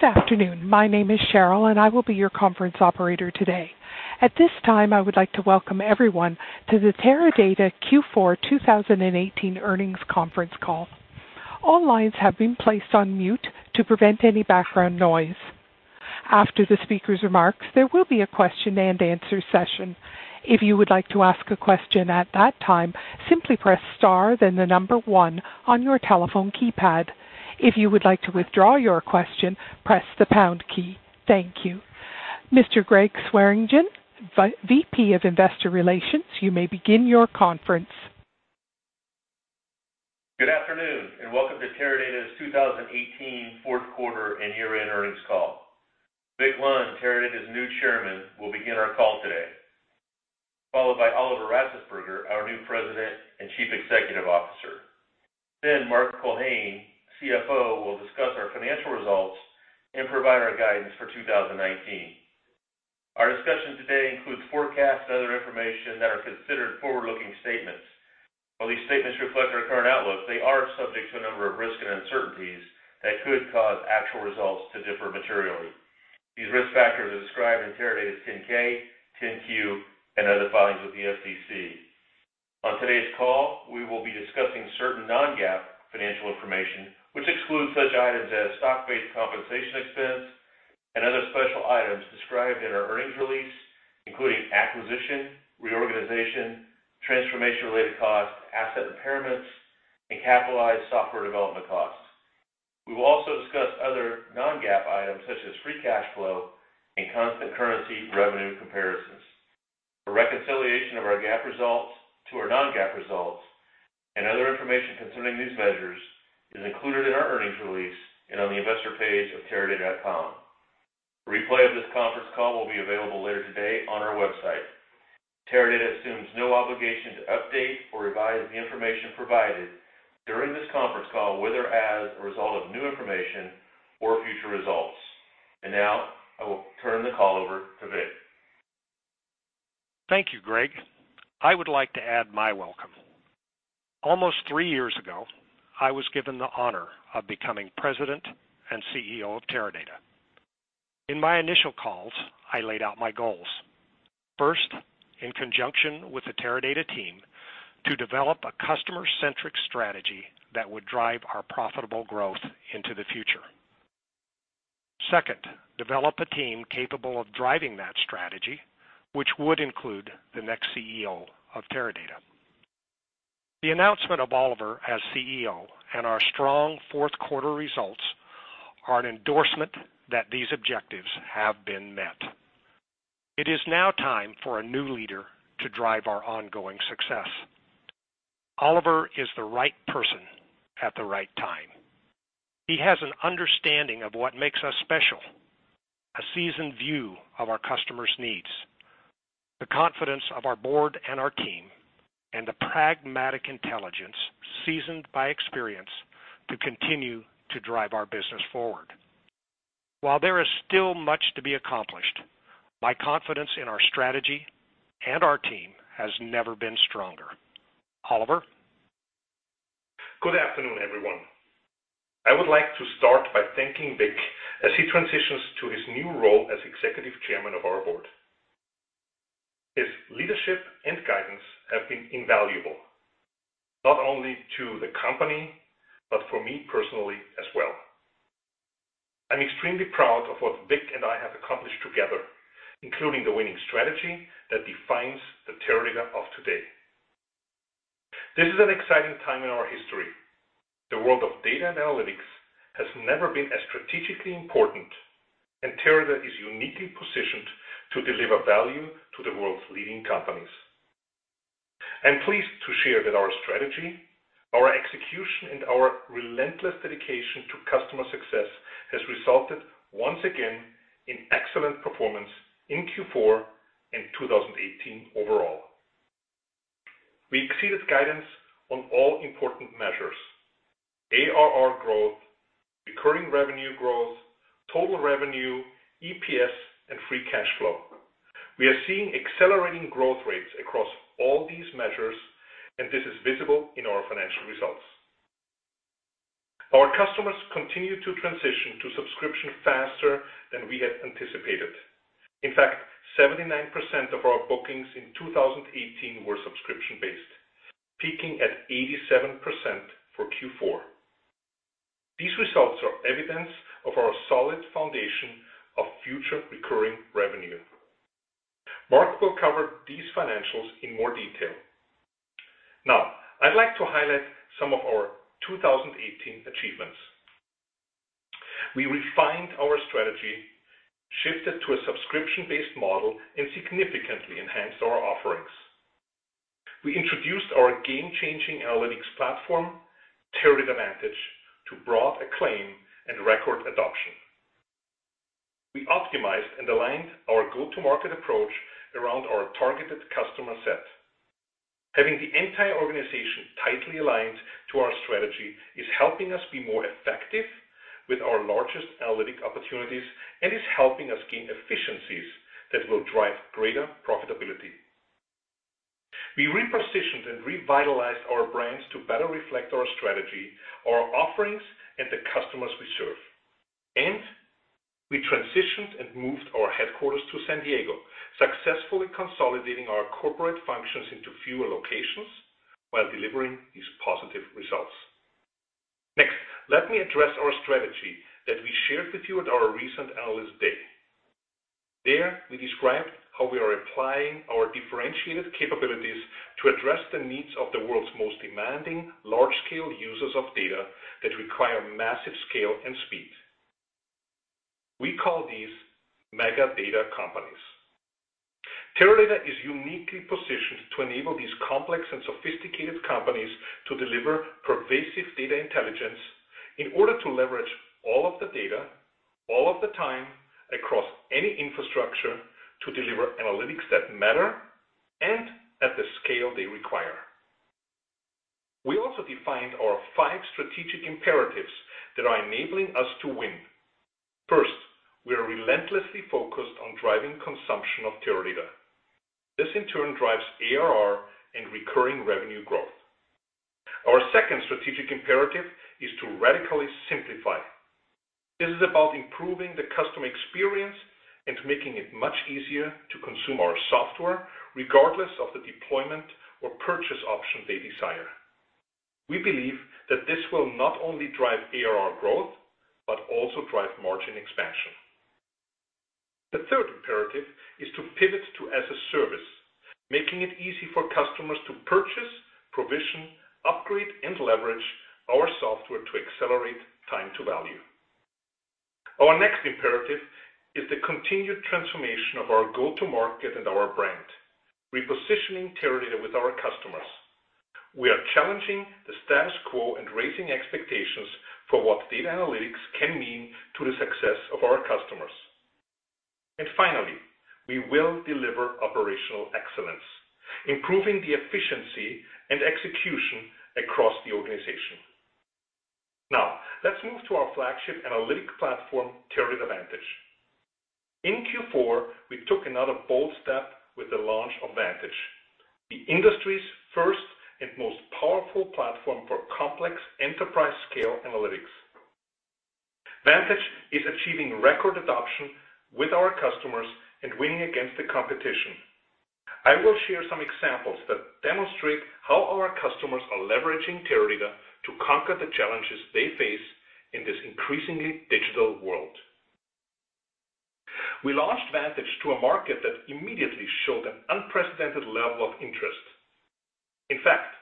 Good afternoon. My name is Cheryl, and I will be your conference operator today. At this time, I would like to welcome everyone to the Teradata Q4 2018 earnings conference call. All lines have been placed on mute to prevent any background noise. After the speaker's remarks, there will be a question and answer session. If you would like to ask a question at that time, simply press star, then the number one on your telephone keypad. If you would like to withdraw your question, press the pound key. Thank you. Mr. Gregg Swearingen, VP of Investor Relations, you may begin your conference. Good afternoon. Welcome to Teradata's 2018 fourth quarter and year-end earnings call. Victor Lund, Teradata's new Chairman, will begin our call today, followed by Oliver Ratzesberger, our new President and Chief Executive Officer. Mark Culhane, CFO, will discuss our financial results and provide our guidance for 2019. Our discussion today includes forecasts and other information that are considered forward-looking statements. While these statements reflect our current outlook, they are subject to a number of risks and uncertainties that could cause actual results to differ materially. These risk factors are described in Teradata's 10-K, 10-Q, and other filings with the SEC. On today's call, we will be discussing certain non-GAAP financial information, which excludes such items as stock-based compensation expense and other special items described in our earnings release, including acquisition, reorganization, transformation-related costs, asset impairments, and capitalized software development costs. We will also discuss other non-GAAP items such as free cash flow and constant currency revenue comparisons. A reconciliation of our GAAP results to our non-GAAP results and other information concerning these measures is included in our earnings release and on the investor page of teradata.com. A replay of this conference call will be available later today on our website. Teradata assumes no obligation to update or revise the information provided during this conference call, whether as a result of new information or future results. Now I will turn the call over to Victor. Thank you, Gregg. I would like to add my welcome. Almost three years ago, I was given the honor of becoming President and CEO of Teradata. In my initial calls, I laid out my goals. First, in conjunction with the Teradata team, to develop a customer-centric strategy that would drive our profitable growth into the future. Second, develop a team capable of driving that strategy, which would include the next CEO of Teradata. The announcement of Oliver as CEO and our strong fourth quarter results are an endorsement that these objectives have been met. It is now time for a new leader to drive our ongoing success. Oliver is the right person at the right time. He has an understanding of what makes us special, a seasoned view of our customers' needs, the confidence of our board and our team, and the pragmatic intelligence seasoned by experience to continue to drive our business forward. While there is still much to be accomplished, my confidence in our strategy and our team has never been stronger. Oliver? Good afternoon, everyone. I would like to start by thanking Victor as he transitions to his new role as Executive Chairman of our board. His leadership and guidance have been invaluable, not only to the company, but for me personally as well. I'm extremely proud of what Vic and I have accomplished together, including the winning strategy that defines the Teradata of today. This is an exciting time in our history. The world of data analytics has never been as strategically important, and Teradata is uniquely positioned to deliver value to the world's leading companies. I'm pleased to share that our strategy, our execution, and our relentless dedication to customer success has resulted once again in excellent performance in Q4 and 2018 overall. We exceeded guidance on all important measures: ARR growth, recurring revenue growth, total revenue, EPS, and free cash flow. We are seeing accelerating growth rates across all these measures, and this is visible in our financial results. Our customers continue to transition to subscription faster than we had anticipated. In fact, 79% of our bookings in 2018 were subscription-based, peaking at 87% for Q4. These results are evidence of our solid foundation of future recurring revenue. Mark will cover these financials in more detail. Now, I'd like to highlight some of our 2018 achievements. We refined our strategy, shifted to a subscription-based model, and significantly enhanced our offerings. We introduced our game-changing analytics platform, Teradata Vantage, to broad acclaim and record adoption. We optimized and aligned our go-to-market approach around our targeted customer set. Having the entire organization tightly aligned to our strategy is helping us be more effective with our largest analytic opportunities and is helping us gain efficiencies that will drive greater profitability. We repositioned and revitalized our brands to better reflect our strategy, our offerings, and the customers we serve. We transitioned and moved our headquarters to San Diego, successfully consolidating our corporate functions into fewer locations while delivering these positive results. Next, let me address our strategy that we shared with you at our recent Analyst Day. There, we described how we are applying our differentiated capabilities to address the needs of the world's most demanding large-scale users of data that require massive scale and speed. We call these mega data companies. Teradata is uniquely positioned to enable these complex and sophisticated companies to deliver pervasive data intelligence in order to leverage all of the data, all of the time, across any infrastructure to deliver analytics that matter and at the scale they require. We also defined our five strategic imperatives that are enabling us to win. First, we are relentlessly focused on driving consumption of Teradata. This in turn drives ARR and recurring revenue growth. Our second strategic imperative is to radically simplify. This is about improving the customer experience and making it much easier to consume our software, regardless of the deployment or purchase option they desire. We believe that this will not only drive ARR growth, but also drive margin expansion. The third imperative is to pivot to as a service, making it easy for customers to purchase, provision, upgrade, and leverage our software to accelerate time to value. Our next imperative is the continued transformation of our go-to-market and our brand, repositioning Teradata with our customers. We are challenging the status quo and raising expectations for what data analytics can mean to the success of our customers. Finally, we will deliver operational excellence, improving the efficiency and execution across the organization. Let's move to our flagship analytic platform, Teradata Vantage. In Q4, we took another bold step with the launch of Vantage, the industry's first and most powerful platform for complex enterprise-scale analytics. Vantage is achieving record adoption with our customers and winning against the competition. I will share some examples that demonstrate how our customers are leveraging Teradata to conquer the challenges they face in this increasingly digital world. We launched Vantage to a market that immediately showed an unprecedented level of interest. In fact,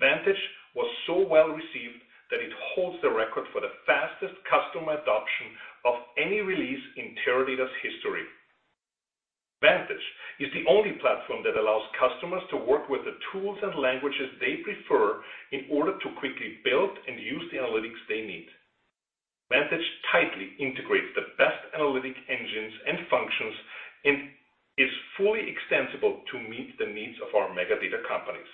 Vantage was so well-received that it holds the record for the fastest customer adoption of any release in Teradata's history. Vantage is the only platform that allows customers to work with the tools and languages they prefer in order to quickly build and use the analytics they need. Vantage tightly integrates the best analytic engines and functions and is fully extensible to meet the needs of our mega data companies.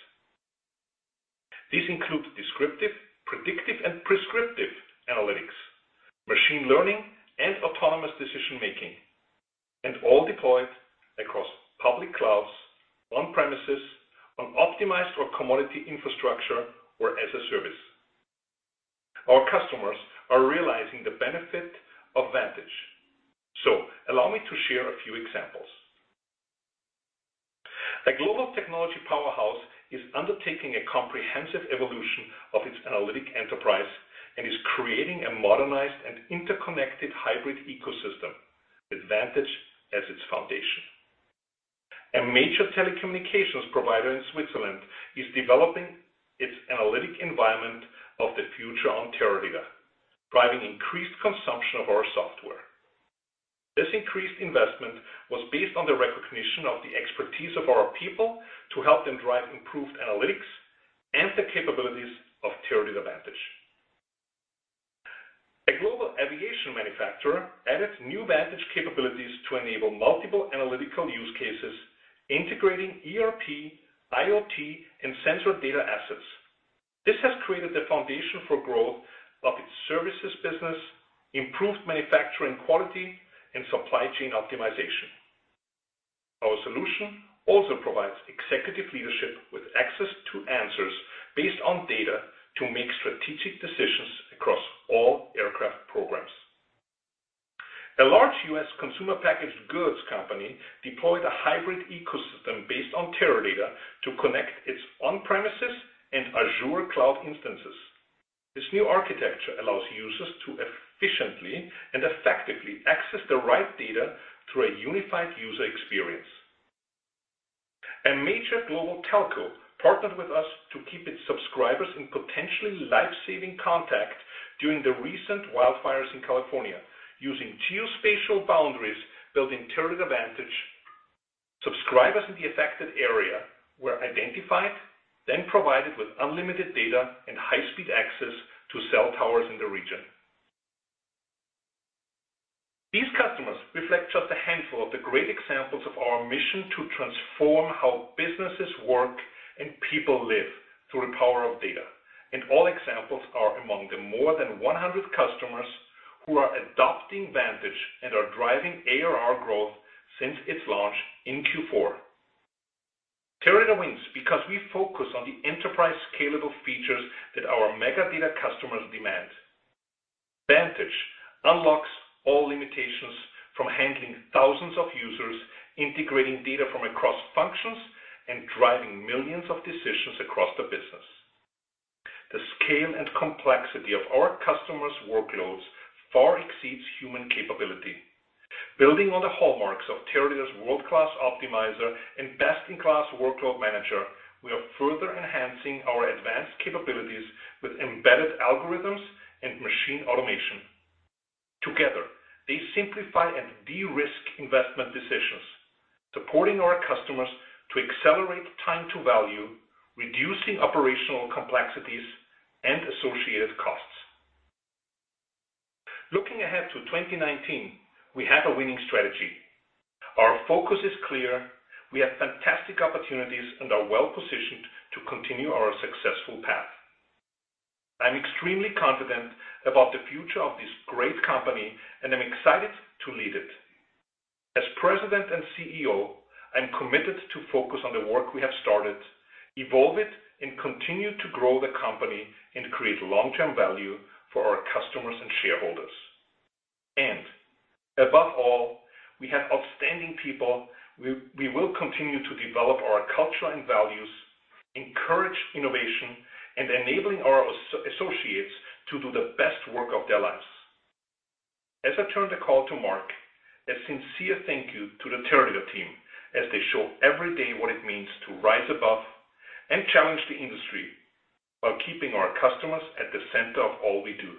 These include descriptive, predictive, and prescriptive analytics, machine learning, and autonomous decision-making, and all deployed across public clouds, on premises, on optimized or commodity infrastructure, or as a service. Our customers are realizing the benefit of Vantage. Allow me to share a few examples. A global technology powerhouse is undertaking a comprehensive evolution of its analytic enterprise and is creating a modernized and interconnected hybrid ecosystem with Vantage as its foundation. A major telecommunications provider in Switzerland is developing its analytic environment of the future on Teradata, driving increased consumption of our software. This increased investment was based on the recognition of the expertise of our people to help them drive improved analytics and the capabilities of Teradata Vantage. A global aviation manufacturer added new Vantage capabilities to enable multiple analytical use cases, integrating ERP, IoT, and sensor data assets. This has created the foundation for growth of its services business, improved manufacturing quality, and supply chain optimization. Our solution also provides executive leadership with access to answers based on data to make strategic decisions across all aircraft programs. A large U.S. consumer packaged goods company deployed a hybrid ecosystem based on Teradata to connect its on-premises and Azure cloud instances. This new architecture allows users to efficiently and effectively access the right data through a unified user experience. A major global telco partnered with us to keep its subscribers in potentially life-saving contact during the recent wildfires in California. Using geospatial boundaries built in Teradata Vantage, subscribers in the affected area were identified, then provided with unlimited data and high-speed access to cell towers in the region. These customers reflect just a handful of the great examples of our mission to transform how businesses work and people live through the power of data. All examples are among the more than 100 customers who are adopting Vantage and are driving ARR growth since its launch in Q4. Teradata wins because we focus on the enterprise scalable features that our mega data customers demand. Vantage unlocks all limitations from handling thousands of users, integrating data from across functions, driving millions of decisions across the business. The scale and complexity of our customers' workloads far exceeds human capability. Building on the hallmarks of Teradata's world-class optimizer and best-in-class workload manager, we are further enhancing our advanced capabilities with embedded algorithms and machine automation. Together, they simplify and de-risk investment decisions, supporting our customers to accelerate time to value, reducing operational complexities and associated costs. Looking ahead to 2019, we have a winning strategy. Our focus is clear. We have fantastic opportunities and are well-positioned to continue our successful path. I'm extremely confident about the future of this great company. I'm excited to lead it. As President and CEO, I'm committed to focus on the work we have started, evolve it, continue to grow the company and create long-term value for our customers and shareholders. Above all, we have outstanding people. We will continue to develop our culture and values, encourage innovation, enabling our associates to do the best work of their lives. As I turn the call to Mark, a sincere thank you to the Teradata team as they show every day what it means to rise above and challenge the industry, while keeping our customers at the center of all we do.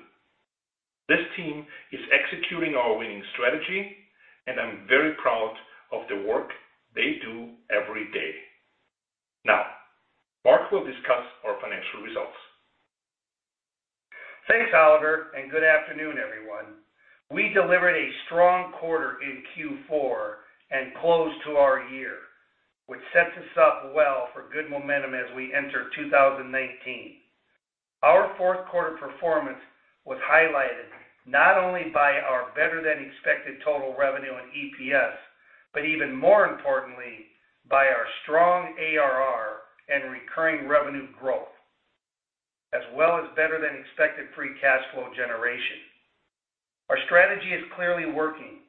This team is executing our winning strategy. I'm very proud of the work they do every day. Mark will discuss our financial results. Thanks, Oliver. Good afternoon, everyone. We delivered a strong quarter in Q4, close to our year, which sets us up well for good momentum as we enter 2019. Our fourth quarter performance was highlighted not only by our better-than-expected total revenue and EPS, but even more importantly, by our strong ARR and recurring revenue growth, as well as better than expected free cash flow generation. Our strategy is clearly working.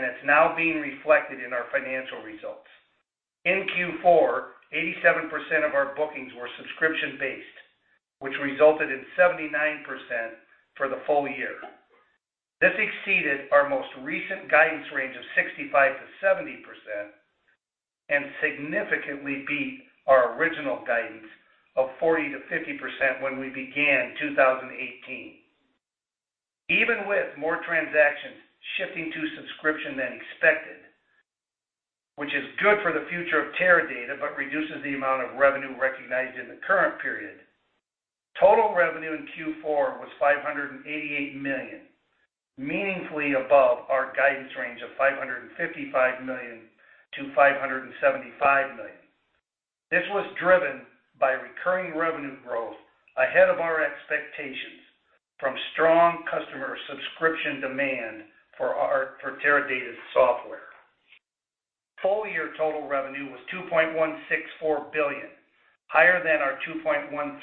It's now being reflected in our financial results. In Q4, 87% of our bookings were subscription-based, which resulted in 79% for the full year. This exceeded our most recent guidance range of 65%-70%, significantly beat our original guidance of 40%-50% when we began 2018. Even with more transactions shifting to subscription than expected, which is good for the future of Teradata but reduces the amount of revenue recognized in the current period, total revenue in Q4 was $588 million, meaningfully above our guidance range of $555 million-$575 million. This was driven by recurring revenue growth ahead of our expectations from strong customer subscription demand for Teradata's software. Full-year total revenue was $2.164 billion, higher than our $2.13 billion-$2.15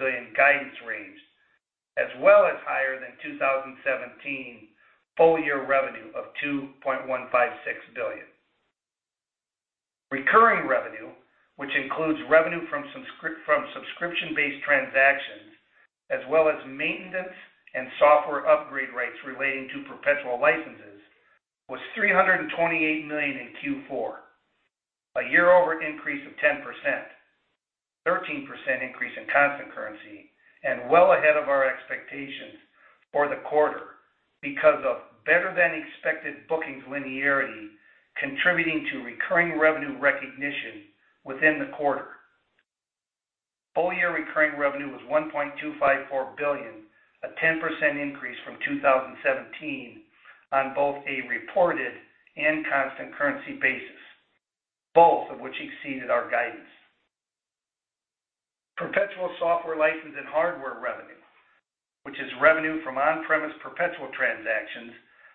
billion guidance range, as well as higher than 2017 full-year revenue of $2.156 billion. Recurring revenue, which includes revenue from subscription-based transactions as well as maintenance and software upgrade rates relating to perpetual licenses, was $328 million in Q4, a year-over-year increase of 10%, 13% increase in constant currency, and well ahead of our expectations for the quarter because of better than expected bookings linearity contributing to recurring revenue recognition within the quarter. Full-year recurring revenue was $1.254 billion, a 10% increase from 2017 on both a reported and constant currency basis, both of which exceeded our guidance. Perpetual software license and hardware revenue, which is revenue from on-premise perpetual transactions,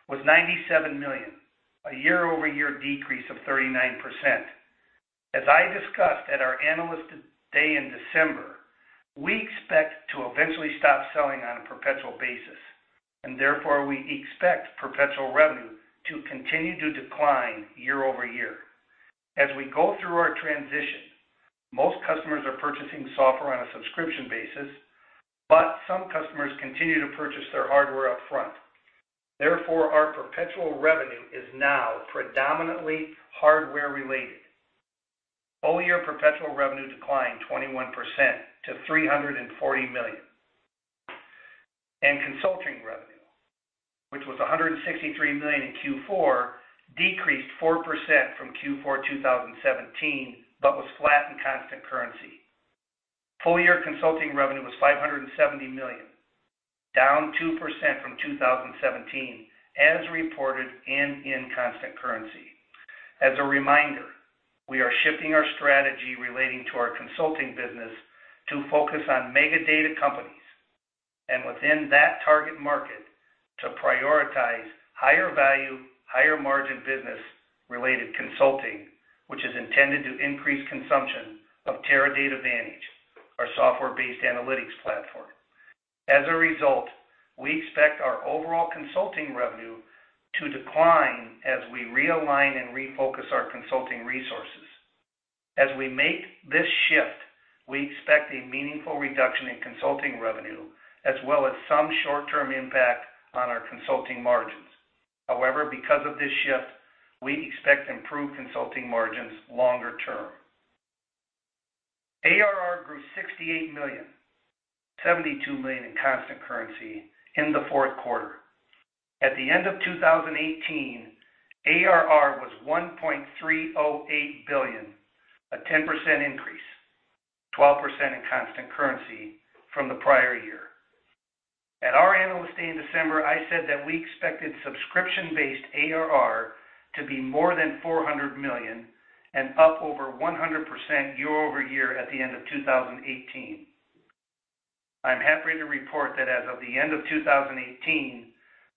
was $97 million, a year-over-year decrease of 39%. As I discussed at our Analyst Day in December, we expect to eventually stop selling on a perpetual basis, therefore, we expect perpetual revenue to continue to decline year-over-year. As we go through our transition, most customers are purchasing software on a subscription basis, but some customers continue to purchase their hardware upfront. Therefore, our perpetual revenue is now predominantly hardware related. Full-year perpetual revenue declined 21% to $340 million. Consulting revenue, which was $163 million in Q4, decreased 4% from Q4 2017, but was flat in constant currency. Full-year consulting revenue was $570 million, down 2% from 2017 as reported and in constant currency. As a reminder, we are shifting our strategy relating to our consulting business to focus on mega data companies, and within that target market to prioritize higher value, higher margin business-related consulting, which is intended to increase consumption of Teradata Vantage, our software-based analytics platform. As a result, we expect our overall consulting revenue to decline as we realign and refocus our consulting resources. As we make this shift, we expect a meaningful reduction in consulting revenue, as well as some short-term impact on our consulting margins. However, because of this shift, we expect improved consulting margins longer term. ARR grew to $68 million, $72 million in constant currency in the fourth quarter. At the end of 2018, ARR was $1.308 billion, a 10% increase, 12% in constant currency from the prior year. At our Analyst Day in December, I said that we expected subscription-based ARR to be more than $400 million and up over 100% year-over-year at the end of 2018. I'm happy to report that as of the end of 2018,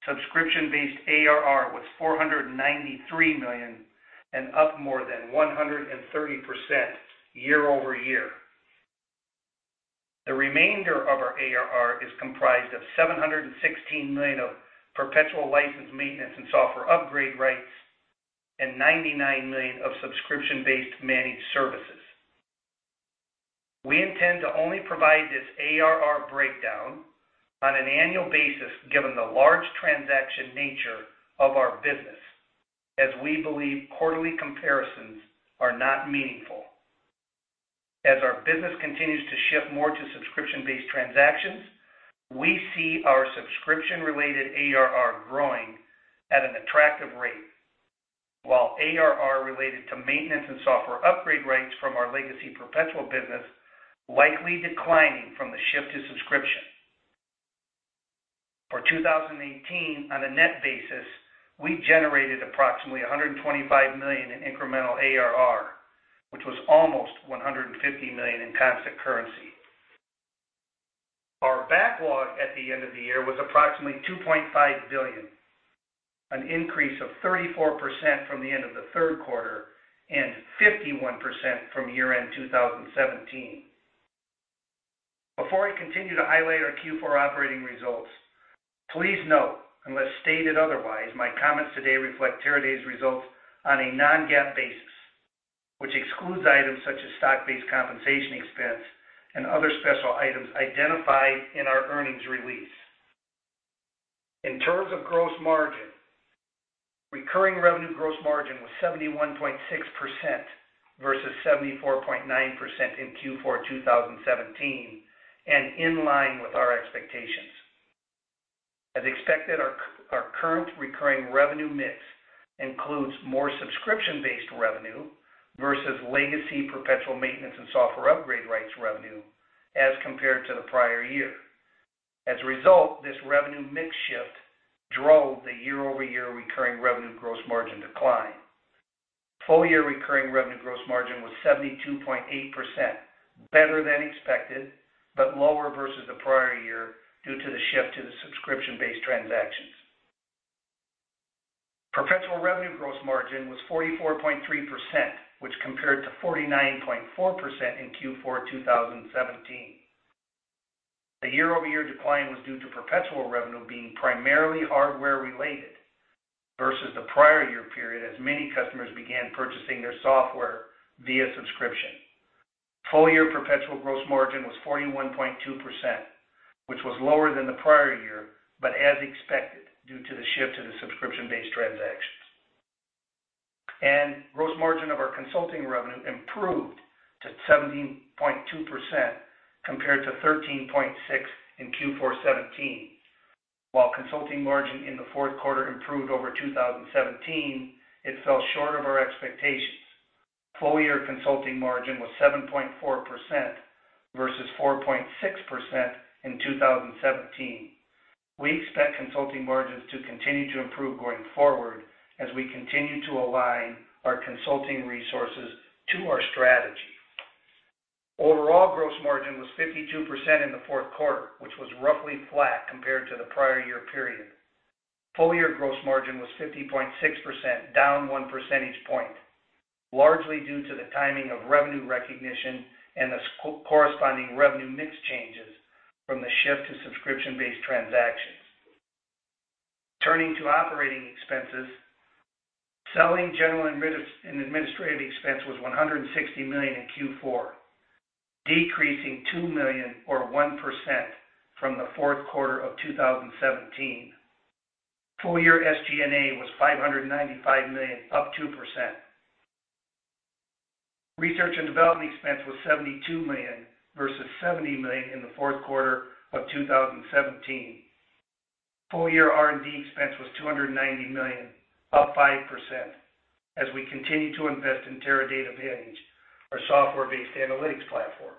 subscription-based ARR was $493 million and up more than 130% year-over-year. The remainder of our ARR is comprised of $716 million of perpetual license maintenance and software upgrade rights and $99 million of subscription-based managed services. We intend to only provide this ARR breakdown on an annual basis given the large transaction nature of our business, as we believe quarterly comparisons are not meaningful. As our business continues to shift more to subscription-based transactions, we see our subscription-related ARR growing at an attractive rate. While ARR related to maintenance and software upgrade rights from our legacy perpetual business likely declining from the shift to subscription. For 2018, on a net basis, we generated approximately $125 million in incremental ARR, which was almost $150 million in constant currency. Our backlog at the end of the year was approximately $2.5 billion, an increase of 34% from the end of the third quarter and 51% from year-end 2017. Before I continue to highlight our Q4 operating results, please note, unless stated otherwise, my comments today reflect Teradata's results on a non-GAAP basis, which excludes items such as stock-based compensation expense and other special items identified in our earnings release. In terms of gross margin, recurring revenue gross margin was 71.6% versus 74.9% in Q4 2017, and in line with our expectations. As expected, our current recurring revenue mix includes more subscription-based revenue versus legacy perpetual maintenance and software upgrade rights revenue as compared to the prior year. As a result, this revenue mix shift drove the year-over-year recurring revenue gross margin decline. Full year recurring revenue gross margin was 72.8%, better than expected, but lower versus the prior year due to the shift to the subscription-based transactions. Perpetual revenue gross margin was 44.3%, which compared to 49.4% in Q4 2017. The year-over-year decline was due to perpetual revenue being primarily hardware related versus the prior year period as many customers began purchasing their software via subscription. Full year perpetual gross margin was 41.2%, which was lower than the prior year, but as expected due to the shift to the subscription-based transactions. Gross margin of our consulting revenue improved to 17.2% compared to 13.6% in Q4 2017. While consulting margin in the fourth quarter improved over 2017, it fell short of our expectations. Full year consulting margin was 7.4% versus 4.6% in 2017. We expect consulting margins to continue to improve going forward as we continue to align our consulting resources to our strategy. Overall gross margin was 52% in the fourth quarter, which was roughly flat compared to the prior year period. Full year gross margin was 50.6%, down one percentage point, largely due to the timing of revenue recognition and the corresponding revenue mix changes from the shift to subscription-based transactions. Turning to operating expenses, selling, general, and administrative expense was $160 million in Q4, decreasing $2 million or 1% from the fourth quarter of 2017. Full year SG&A was $595 million, up 2%. Research and development expense was $72 million versus $70 million in the fourth quarter of 2017. Full year R&D expense was $290 million, up 5%, as we continue to invest in Teradata Vantage, our software-based analytics platform.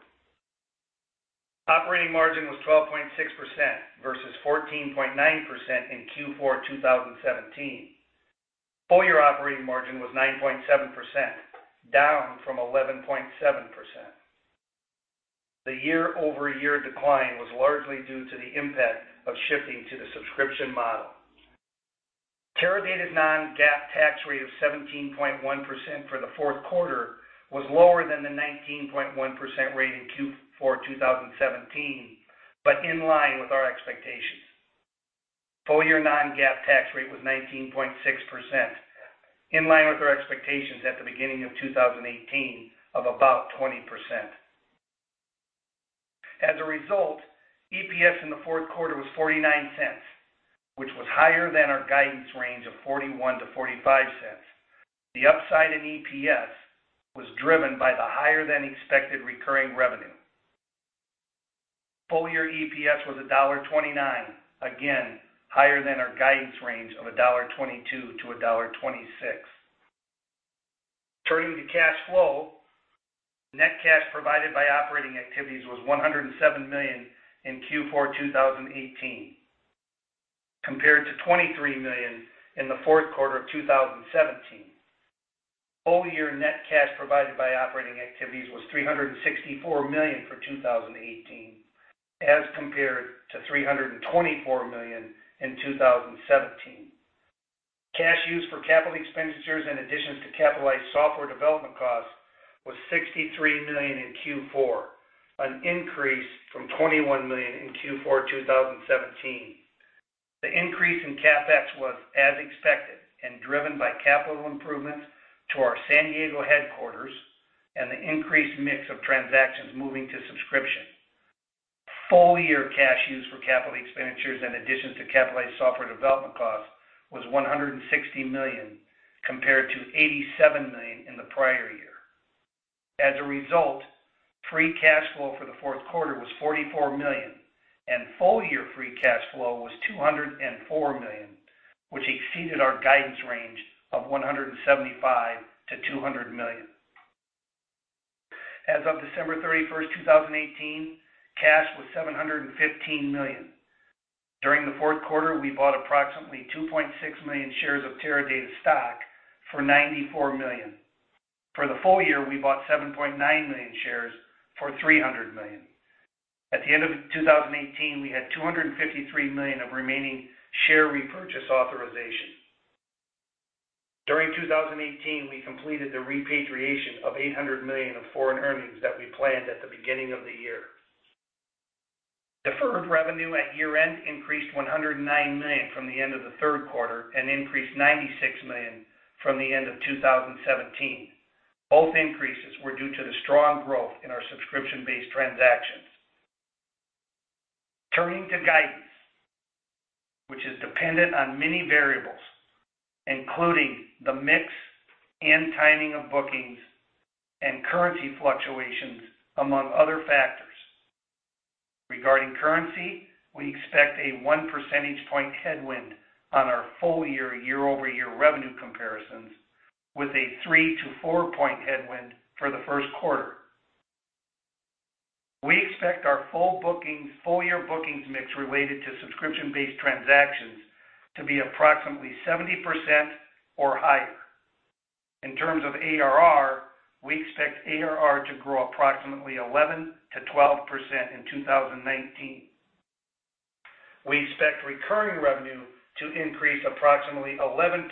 Operating margin was 12.6% versus 14.9% in Q4 2017. Full year operating margin was 9.7%, down from 11.7%. The year-over-year decline was largely due to the impact of shifting to the subscription model. Teradata's non-GAAP tax rate of 17.1% for the fourth quarter was lower than the 19.1% rate in Q4 2017, but in line with our expectations. Full year non-GAAP tax rate was 19.6%, in line with our expectations at the beginning of 2018 of about 20%. As a result, EPS in the fourth quarter was $0.49, which was higher than our guidance range of $0.41-$0.45. The upside in EPS was driven by the higher-than-expected recurring revenue. Full year EPS was $1.29, again, higher than our guidance range of $1.22-$1.26. Turning to cash flow, net cash provided by operating activities was $107 million in Q4 2018, compared to $23 million in the fourth quarter of 2017. Full year net cash provided by operating activities was $364 million for 2018, as compared to $324 million in 2017. Cash used for capital expenditures in additions to capitalized software development costs was $63 million in Q4, an increase from $21 million in Q4 2017. The increase in CapEx was as expected and driven by capital improvements to our San Diego headquarters and the increased mix of transactions moving to subscription. Full year cash used for capital expenditures in addition to capitalized software development costs was $160 million, compared to $87 million in the prior year. As a result, free cash flow for the fourth quarter was $44 million, and full year free cash flow was $204 million, which exceeded our guidance range of $175 million-$200 million. As of December 31st, 2018, cash was $715 million. During the fourth quarter, we bought approximately 2.6 million shares of Teradata stock for $94 million. For the full year, we bought 7.9 million shares for $300 million. At the end of 2018, we had $253 million of remaining share repurchase authorization. During 2018, we completed the repatriation of $800 million of foreign earnings that we planned at the beginning of the year. Deferred revenue at year-end increased $109 million from the end of the third quarter and increased $96 million from the end of 2017. Both increases were due to the strong growth in our subscription-based transactions. Turning to guidance, which is dependent on many variables, including the mix and timing of bookings and currency fluctuations, among other factors. Regarding currency, we expect a one percentage point headwind on our full year-over-year revenue comparisons with a three- to four-point headwind for the first quarter. We expect our full year bookings mix related to subscription-based transactions to be approximately 70% or higher. In terms of ARR, we expect ARR to grow approximately 11%-12% in 2019. We expect recurring revenue to increase approximately 11%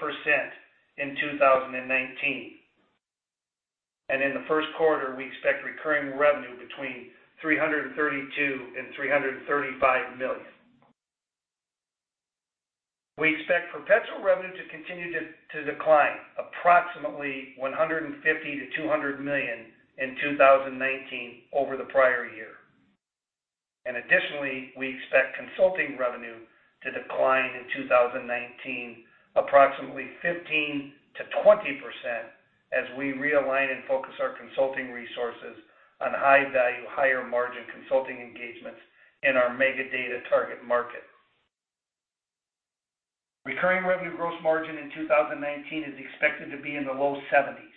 in 2019. In the first quarter, we expect recurring revenue between $332 million and $335 million. We expect perpetual revenue to continue to decline approximately $150 million-$200 million in 2019 over the prior year. Additionally, we expect consulting revenue to decline in 2019 approximately 15%-20% as we realign and focus our consulting resources on high-value, higher-margin consulting engagements in our mega data target market. Recurring revenue gross margin in 2019 is expected to be in the low 70%s.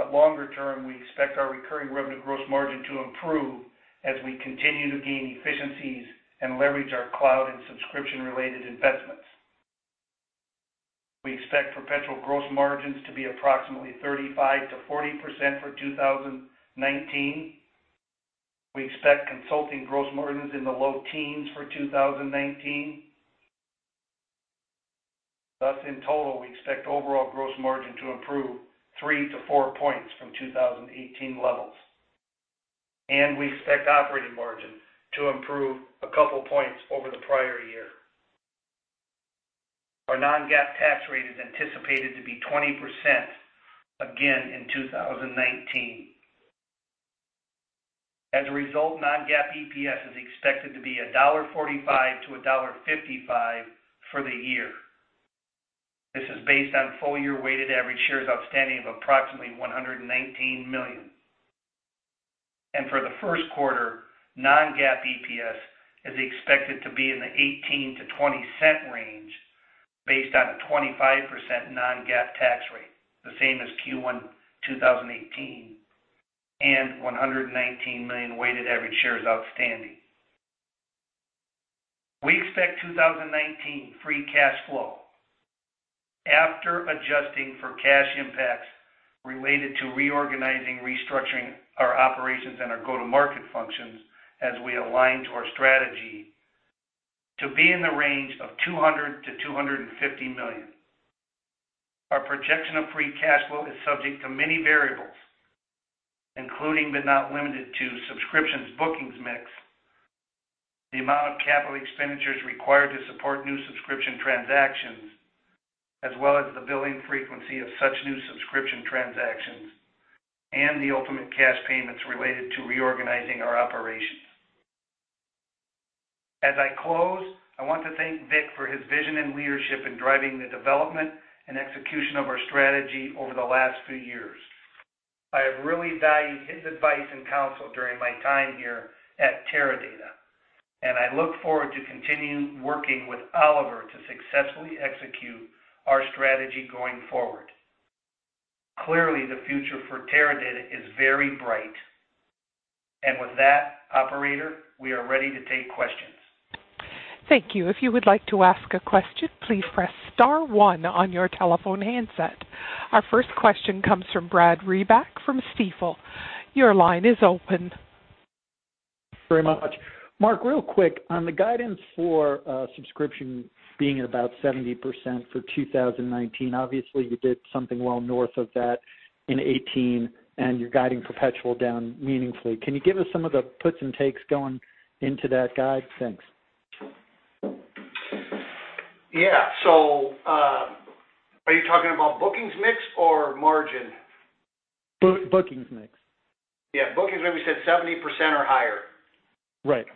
Longer term, we expect our recurring revenue gross margin to improve as we continue to gain efficiencies and leverage our cloud and subscription-related investments. We expect perpetual gross margins to be approximately 35%-40% for 2019. We expect consulting gross margins in the low teens for 2019. Thus, in total, we expect overall gross margin to improve 3-4 points from 2018 levels. We expect operating margin to improve a couple points over the prior year. Our non-GAAP tax rate is anticipated to be 20%, again in 2019. As a result, non-GAAP EPS is expected to be $1.45-$1.55 for the year. This is based on full year weighted average shares outstanding of approximately 119 million. For the first quarter, non-GAAP EPS is expected to be in the $0.18-$0.20 range. Based on a 25% non-GAAP tax rate, the same as Q1 2018, and 119 million weighted average shares outstanding. We expect 2019 free cash flow, after adjusting for cash impacts related to reorganizing, restructuring our operations and our go-to-market functions as we align to our strategy, to be in the range of $200 million-$250 million. Our projection of free cash flow is subject to many variables, including, but not limited to, subscriptions bookings mix, the amount of capital expenditures required to support new subscription transactions, as well as the billing frequency of such new subscription transactions, and the ultimate cash payments related to reorganizing our operations. As I close, I want to thank Victor for his vision and leadership in driving the development and execution of our strategy over the last few years. I have really valued his advice and counsel during my time here at Teradata, and I look forward to continue working with Oliver to successfully execute our strategy going forward. Clearly, the future for Teradata is very bright. With that, operator, we are ready to take questions. Thank you. If you would like to ask a question, please press star one on your telephone handset. Our first question comes from Brad Reback from Stifel. Your line is open. Very much. Mark, real quick, on the guidance for subscription being at about 70% for 2019, obviously you did something well north of that in 2018, and you're guiding perpetual down meaningfully. Can you give us some of the puts and takes going into that guide? Thanks. Yeah. Are you talking about bookings mix or margin? Bookings mix. Yeah. Bookings, when we said 70% or higher. Right.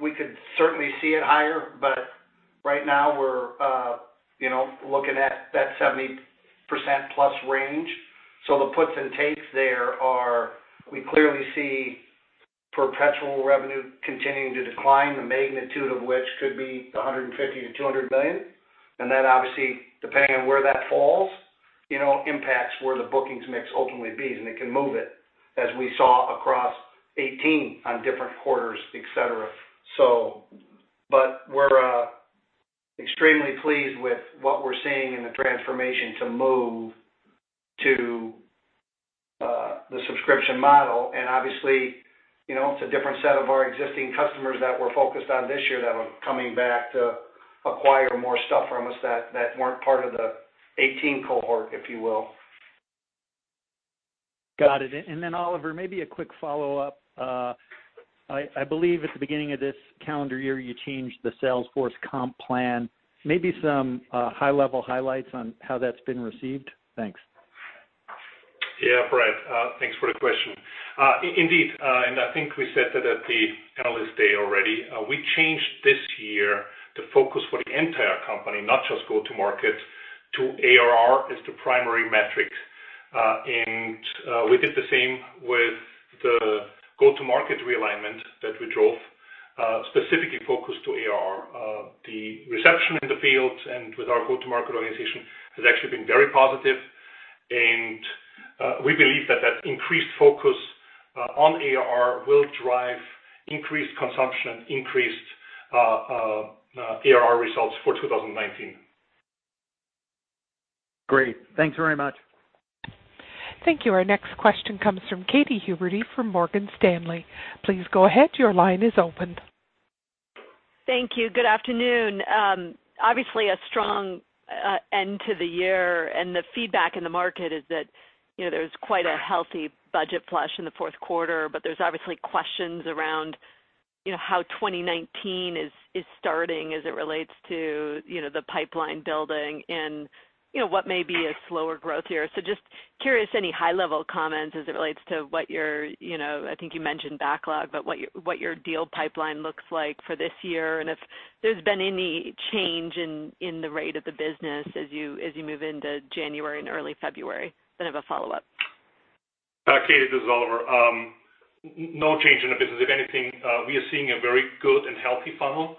We could certainly see it higher, but right now we're looking at that 70%+ range. The puts and takes there are, we clearly see perpetual revenue continuing to decline, the magnitude of which could be $150 million-$200 million. That obviously, depending on where that falls, impacts where the bookings mix ultimately is, and it can move it, as we saw across 2018 on different quarters, et cetera. We're extremely pleased with what we're seeing in the transformation to move to the subscription model. Obviously, it's a different set of our existing customers that we're focused on this year that was coming back to acquire more stuff from us that weren't part of the 2018 cohort, if you will. Got it. Oliver, maybe a quick follow-up. I believe at the beginning of this calendar year, you changed the sales force comp plan. Maybe some high-level highlights on how that's been received. Thanks. Brad. Thanks for the question. Indeed, I think we said that at the Analyst Day already, we changed this year the focus for the entire company, not just go to market, to ARR as the primary metric. We did the same with the go-to-market realignment that we drove, specifically focused to ARR. The reception in the field and with our go-to-market organization has actually been very positive, we believe that that increased focus on ARR will drive increased consumption, increased ARR results for 2019. Great. Thanks very much. Thank you. Our next question comes from Katy Huberty from Morgan Stanley. Please go ahead. Your line is open. Thank you. Good afternoon. Obviously, a strong end to the year, and the feedback in the market is that there's quite a healthy budget flush in the fourth quarter. There's obviously questions around how 2019 is starting as it relates to the pipeline building and what may be a slower growth year. Just curious, any high-level comments as it relates to what your, I think you mentioned backlog, but what your deal pipeline looks like for this year, and if there's been any change in the rate of the business as you move into January and early February. I have a follow-up. Katy, this is Oliver. No change in the business. If anything, we are seeing a very good and healthy funnel.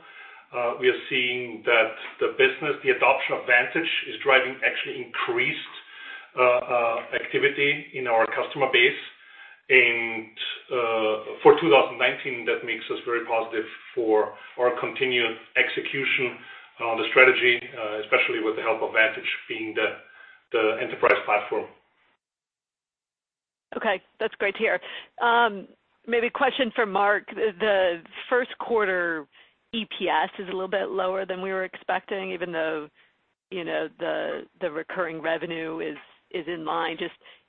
We are seeing that the business, the adoption of Vantage, is driving actually increased activity in our customer base. For 2019, that makes us very positive for our continued execution on the strategy, especially with the help of Vantage being the enterprise platform. Okay, that's great to hear. Maybe a question for Mark. The first quarter EPS is a little bit lower than we were expecting, even though the recurring revenue is in line.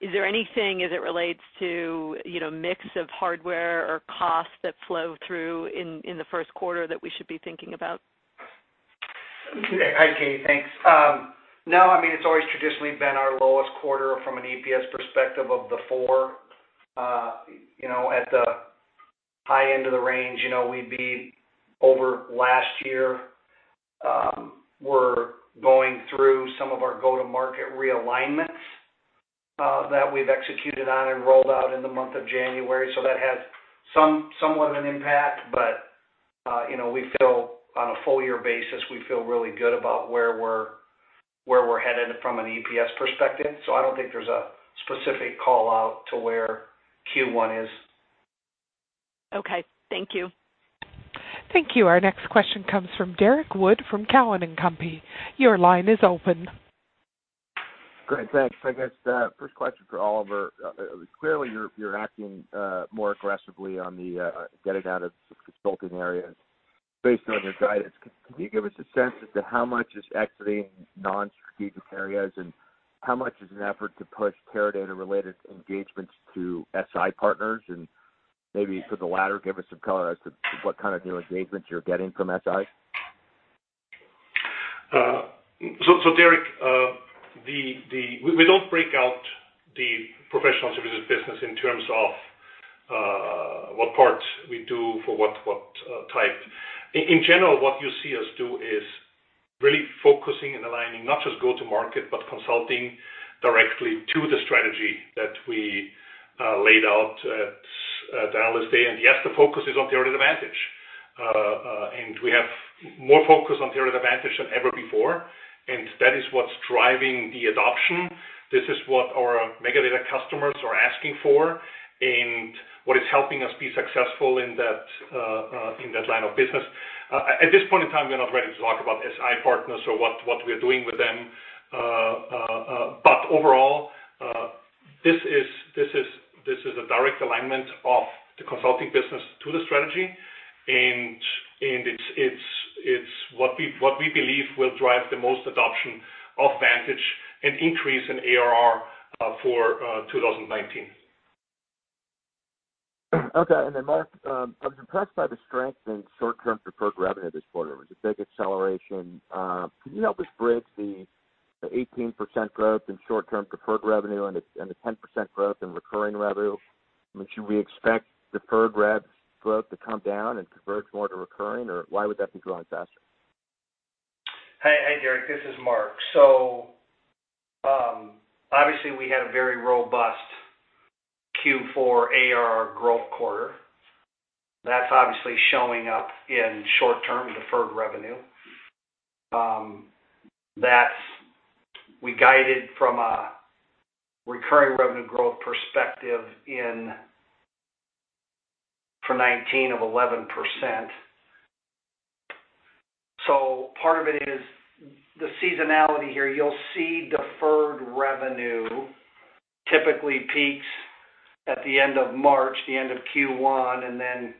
Is there anything as it relates to mix of hardware or costs that flow through in the first quarter that we should be thinking about? Hi, Katy. Thanks. No, it's always traditionally been our lowest quarter from an EPS perspective of the four. At the high end of the range, we'd be over last year. We're going through some of our go-to-market realignments that we've executed on and rolled out in the month of January. That has somewhat of an impact, but on a full-year basis, we feel really good about where we're headed from an EPS perspective. I don't think there's a specific call-out to where Q1 is. Okay. Thank you. Thank you. Our next question comes from Derrick Wood from Cowen and Company. Your line is open. Great. Thanks. I guess the first question is for Oliver. Clearly, you're acting more aggressively on the getting out of consulting areas based on your guidance. Can you give us a sense as to how much is exiting non-strategic areas, and how much is an effort to push Teradata-related engagements to SI partners? Maybe for the latter, give us some color as to what kind of new engagements you're getting from SIs. Derrick, we don't break out the professional services business in terms of what parts we do for what type. In general, what you see us do is really focusing and aligning, not just go to market, but consulting directly to the strategy that we laid out at Analyst Day. Yes, the focus is on Teradata Vantage. We have more focus on Teradata Vantage than ever before, and that is what's driving the adoption. This is what our mega data customers are asking for, and what is helping us be successful in that line of business. At this point in time, we're not ready to talk about SI partners or what we're doing with them. Overall, this is a direct alignment of the consulting business to the strategy, and it's what we believe will drive the most adoption of Teradata Vantage and increase in ARR for 2019. Okay, Mark, I was impressed by the strength in short-term deferred revenue this quarter. It was a big acceleration. Can you help us bridge the 18% growth in short-term deferred revenue and the 10% growth in recurring revenue? Should we expect deferred rev growth to come down and converge more to recurring, or why would that be growing faster? Hey, Derrick, this is Mark. Obviously, we had a very robust Q4 ARR growth quarter. That's obviously showing up in short-term deferred revenue. We guided from a recurring revenue growth perspective for 2019 of 11%. Part of it is the seasonality here. You'll see deferred revenue typically peaks at the end of March, the end of Q1, and then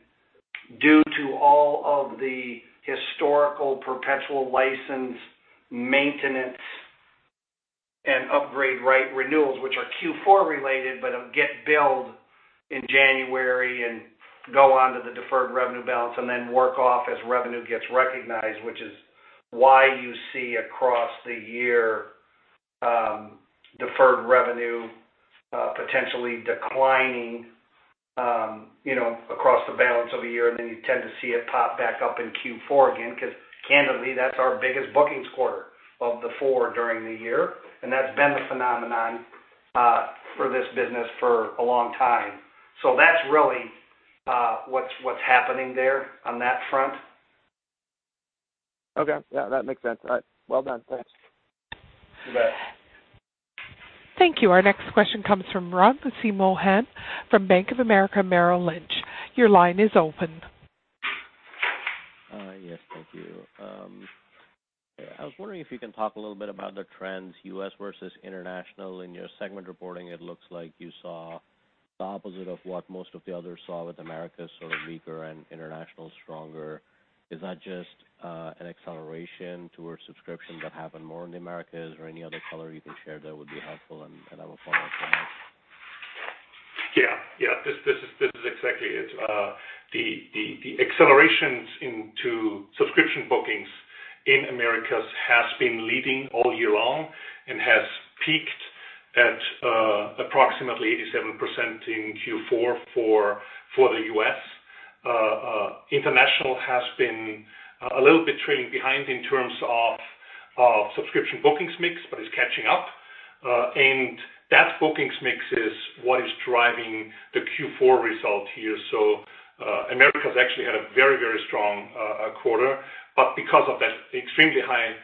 due to all of the historical perpetual license maintenance and upgrade right renewals, which are Q4 related, but get billed in January and go on to the deferred revenue balance and then work off as revenue gets recognized, which is why you see across the year, deferred revenue potentially declining across the balance of a year. You tend to see it pop back up in Q4 again, because candidly, that's our biggest bookings quarter of the four during the year. That's been the phenomenon for this business for a long time. That's really what's happening there on that front. Okay. Yeah, that makes sense. All right. Well done. Thanks. You bet. Thank you. Our next question comes from Wamsi Mohan from Bank of America Merrill Lynch. Your line is open. Yes, thank you. I was wondering if you can talk a little bit about the trends U.S. versus international. In your segment reporting, it looks like you saw the opposite of what most of the others saw, with Americas sort of weaker and international stronger. Is that just an acceleration towards subscription that happened more in the Americas or any other color you can share that would be helpful, and I will follow up for Mark. Yeah. This is exactly it. The accelerations into subscription bookings in Americas has been leading all year long and has peaked at approximately 87% in Q4 for the U.S. International has been a little bit trailing behind in terms of subscription bookings mix, but is catching up. That bookings mix is what is driving the Q4 result here. Americas actually had a very strong quarter, but because of that extremely high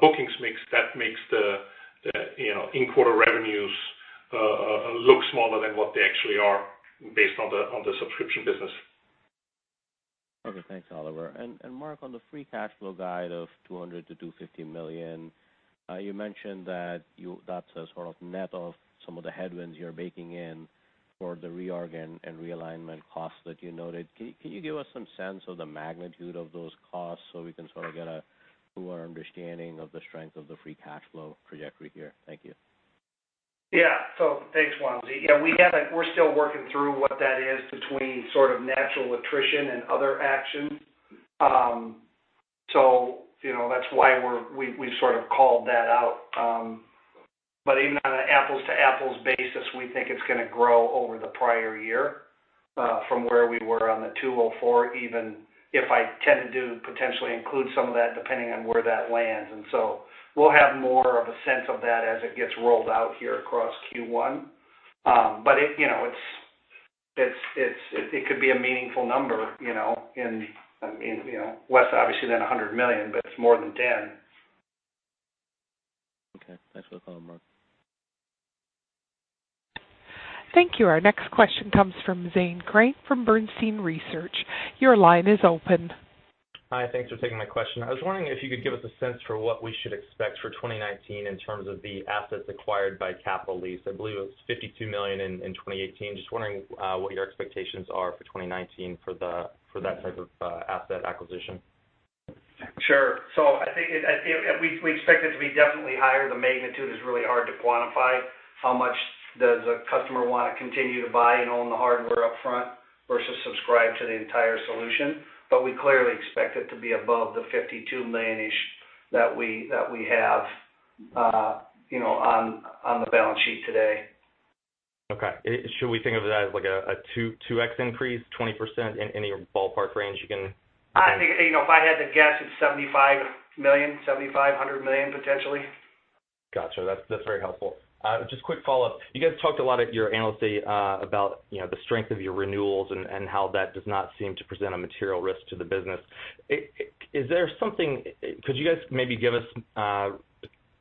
bookings mix, that makes the in-quarter revenues look smaller than what they actually are based on the subscription business. Okay. Thanks, Oliver. Mark, on the free cash flow guide of $200 million-$250 million, you mentioned that's a sort of net of some of the headwinds you're baking in for the reorg and realignment costs that you noted. Can you give us some sense of the magnitude of those costs so we can sort of get a truer understanding of the strength of the free cash flow trajectory here? Thank you. Yeah. Thanks, Wamsi. Yeah, we're still working through what that is between sort of natural attrition and other action. That's why we've sort of called that out. Even on an apples-to-apples basis, we think it's going to grow over the prior year. From where we were on the $204 million, even if I tend to potentially include some of that, depending on where that lands. We'll have more of a sense of that as it gets rolled out here across Q1. It could be a meaningful number, less obviously than $100 million, but it's more than $10 million. Okay. Thanks for the color, Mark. Thank you. Our next question comes from Zane Chrane from Bernstein Research. Your line is open. Hi, thanks for taking my question. I was wondering if you could give us a sense for what we should expect for 2019 in terms of the assets acquired by Capital Lease. I believe it was $52 million in 2018. Wondering what your expectations are for 2019 for that type of asset acquisition. Sure. I think we expect it to be definitely higher. The magnitude is really hard to quantify. How much does a customer want to continue to buy and own the hardware upfront versus subscribe to the entire solution, we clearly expect it to be above the $52 million-ish that we have on the balance sheet today. Okay. Should we think of that as like a 2x increase, 20%, any ballpark range you can- I think, if I had to guess, it's $75 million, $75 million-$100 million, potentially. Got you. That's very helpful. Just quick follow-up. You guys talked a lot at your Analyst Day about the strength of your renewals and how that does not seem to present a material risk to the business. Could you guys maybe give us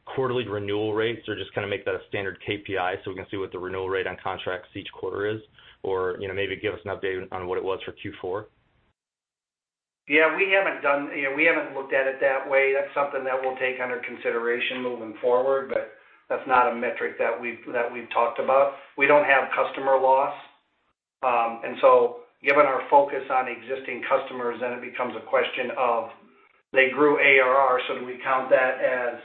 quarterly renewal rates or just kind of make that a standard KPI so we can see what the renewal rate on contracts each quarter is? Or maybe give us an update on what it was for Q4? Yeah, we haven't looked at it that way. That's something that we'll take under consideration moving forward, but that's not a metric that we've talked about. We don't have customer loss. Given our focus on existing customers, then it becomes a question of they grew ARR, so do we count that as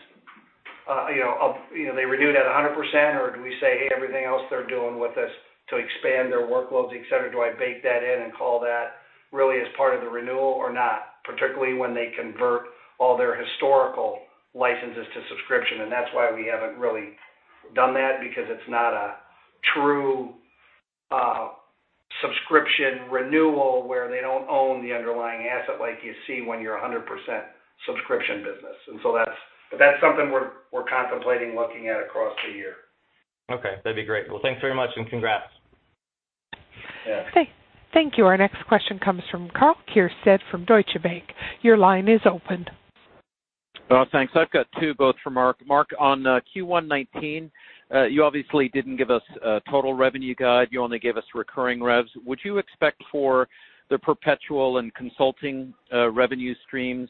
they renewed at 100%, or do we say, hey, everything else they're doing with us to expand their workloads, et cetera, do I bake that in and call that really as part of the renewal or not, particularly when they convert all their historical licenses to subscription, and that's why we haven't really done that, because it's not a true subscription renewal where they don't own the underlying asset like you see when you're 100% subscription business. That's something we're contemplating looking at across the year. Okay, that'd be great. Well, thanks very much, and congrats. Yeah. Okay. Thank you. Our next question comes from Karl Keirstead from Deutsche Bank. Your line is open. Well, thanks. I've got two, both for Mark. Mark, on Q1 2019, you obviously didn't give us a total revenue guide. You only gave us recurring revs. Would you expect for the perpetual and consulting revenue streams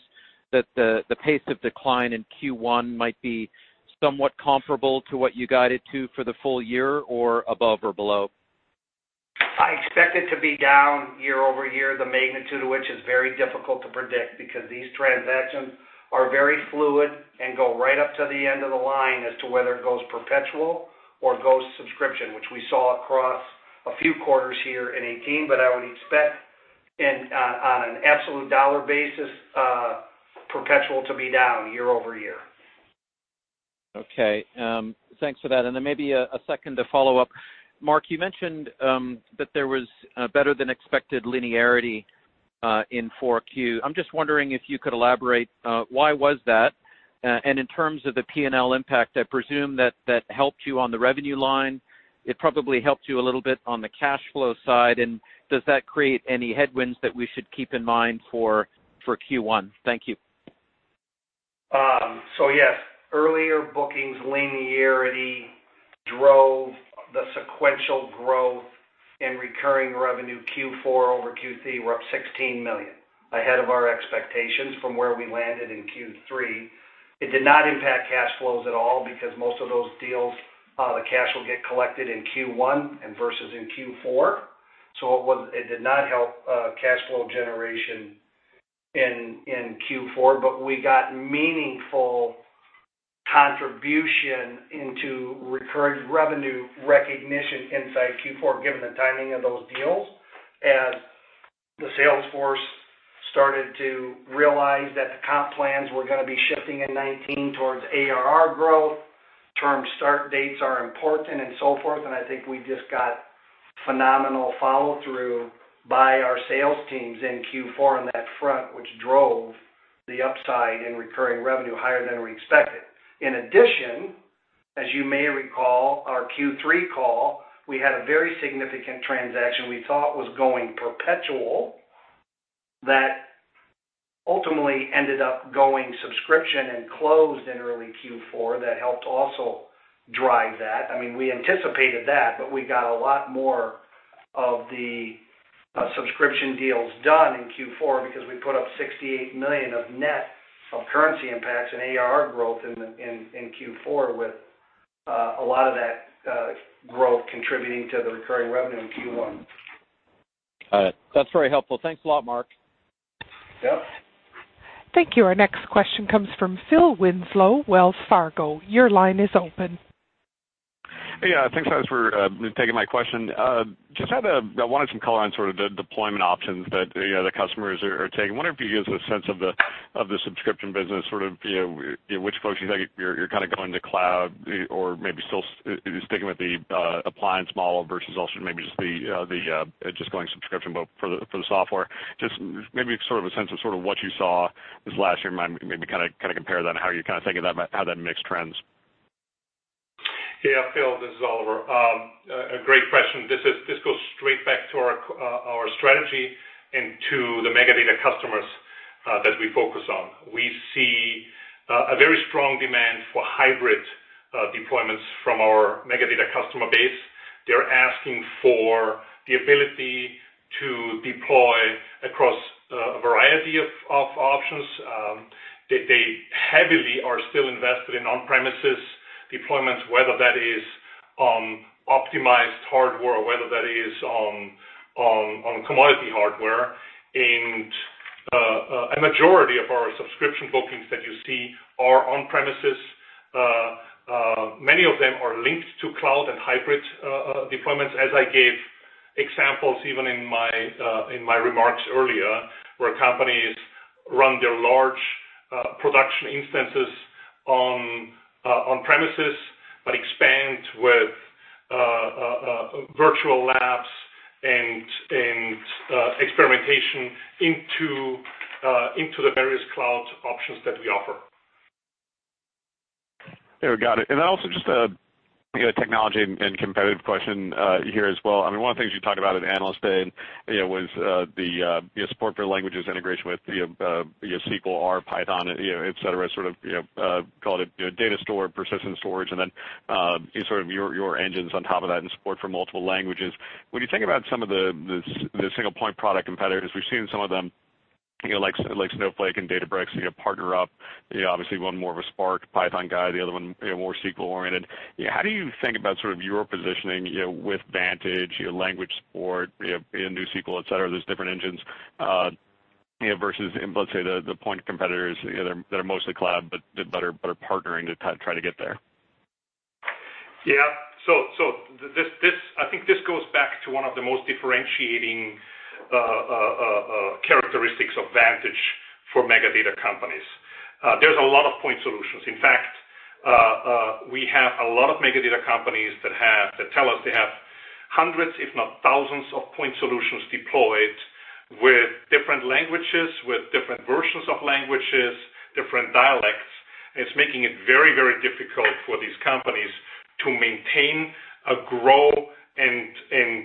that the pace of decline in Q1 might be somewhat comparable to what you guided to for the full year, or above or below? I expect it to be down year-over-year, the magnitude of which is very difficult to predict because these transactions are very fluid and go right up to the end of the line as to whether it goes perpetual or goes subscription, which we saw across a few quarters here in 2018. I would expect on an absolute dollar basis, perpetual to be down year-over-year. Okay. Thanks for that. Maybe a second follow-up. Mark, you mentioned that there was better than expected linearity in 4Q. I'm just wondering if you could elaborate, why was that? In terms of the P&L impact, I presume that helped you on the revenue line. It probably helped you a little bit on the cash flow side, and does that create any headwinds that we should keep in mind for Q1? Thank you. Yes, earlier bookings linearity drove the sequential growth in recurring revenue Q4 over Q3. We're up $16 million, ahead of our expectations from where we landed in Q3. It did not impact cash flows at all because most of those deals, the cash will get collected in Q1 versus in Q4, so it did not help cash flow generation in Q4. We got meaningful contribution into recurring revenue recognition inside Q4, given the timing of those deals, as the sales force started to realize that the comp plans were gonna be shifting in 2019 towards ARR growth, term start dates are important and so forth, and I think we just got phenomenal follow-through by our sales teams in Q4 on that front, which drove the upside in recurring revenue higher than we expected. As you may recall, our Q3 call, we had a very significant transaction we thought was going perpetual that ultimately ended up going subscription and closed in early Q4. That helped also drive that. I mean, we anticipated that, but we got a lot more of the subscription deals done in Q4 because we put up $68 million of net of currency impacts and ARR growth in Q4 with a lot of that growth contributing to the recurring revenue in Q1. Got it. That's very helpful. Thanks a lot, Mark. Yep. Thank you. Our next question comes from Phil Winslow, Wells Fargo. Your line is open. Hey. Yeah, thanks guys for taking my question. I wanted some color on sort of the deployment options that the customers are taking. Wondering if you could give us a sense of the subscription business, which folks you think you're going to cloud or maybe still sticking with the appliance model versus also maybe just going subscription, but for the software. Just maybe a sense of what you saw this last year, maybe compare that and how you're thinking of that, how that mix trends. Yeah. Phil, this is Oliver. A great question. This goes straight back to our strategy and to the mega data customers that we focus on. We see a very strong demand for hybrid deployments from our mega data customer base. They're asking for the ability to deploy across a variety of options. They heavily are still invested in on-premises deployments, whether that is on optimized hardware or whether that is on commodity hardware. A majority of our subscription bookings that you see are on-premises. Many of them are linked to cloud and hybrid deployments, as I gave examples even in my remarks earlier, where companies run their large production instances on premises, but expand with virtual labs and experimentation into the various cloud options that we offer. There, got it. Also just a technology and competitive question here as well. One of the things you talked about at Analyst Day was the support for languages integration with SQL, R, Python, et cetera, call it data store, persistent storage, and then your engines on top of that and support for multiple languages. When you think about some of the single point product competitors, we've seen some of them, like Snowflake and Databricks partner up. Obviously one more of a Spark, Python guy, the other one more SQL oriented. How do you think about your positioning with Teradata Vantage, language support in new SQL, et cetera, those different engines, versus, let's say, the point competitors that are mostly cloud, but are partnering to try to get there? Yeah. I think this goes back to one of the most differentiating characteristics of Teradata Vantage for mega data companies. There's a lot of point solutions. In fact, we have a lot of mega data companies that tell us they have hundreds, if not thousands, of point solutions deployed with different languages, with different versions of languages, different dialects. It's making it very, very difficult for these companies to maintain, grow, and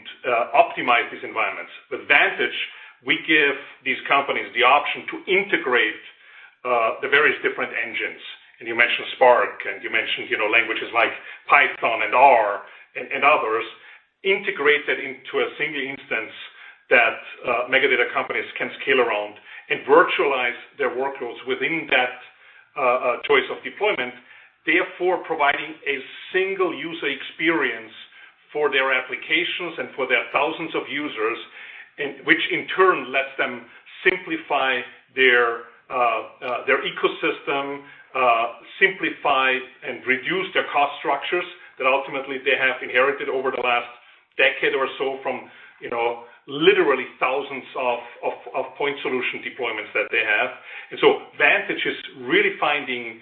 optimize these environments. With Teradata Vantage, we give these companies the option to integrate the various different engines. You mentioned Spark, and you mentioned languages like Python and R and others integrated into a single instance that mega data companies can scale around and virtualize their workloads within that choice of deployment, therefore providing a single user experience for their applications and for their thousands of users, which in turn lets them simplify their ecosystem, simplify and reduce their cost structures that ultimately they have inherited over the last decade or so from literally thousands of point solution deployments that they have. Teradata Vantage is really finding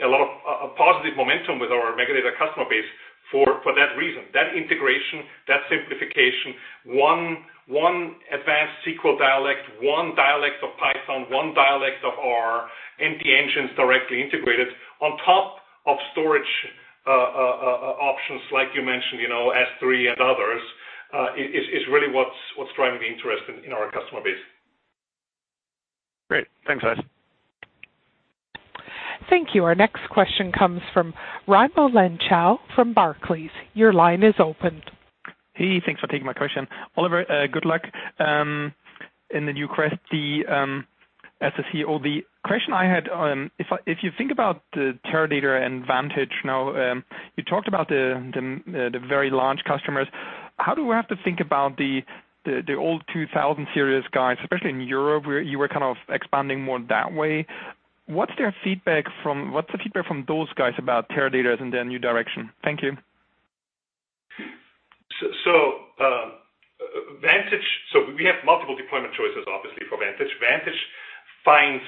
a lot of positive momentum with our mega data customer base for that reason. That integration, that simplification, one advanced SQL dialect, one dialect of Python, one dialect of R, and the engines directly integrated on top of storage options like you mentioned, S3 and others, is really what's driving the interest in our customer base. Great. Thanks, guys. Thank you. Our next question comes from Raimo Lenschow from Barclays. Your line is open. Hey, thanks for taking my question. Oliver, good luck in the new quest, the CEO. The question I had, if you think about Teradata and Vantage now, you talked about the very large customers. How do we have to think about the old 2000 series guys, especially in Europe, where you were kind of expanding more that way? What's the feedback from those guys about Teradata's and their new direction? Thank you. We have multiple deployment choices, obviously, for Teradata Vantage. Vantage finds